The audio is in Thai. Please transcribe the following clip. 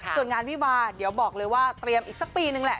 ส่วนงานวิวาเดี๋ยวบอกเลยว่าเตรียมอีกสักปีนึงแหละ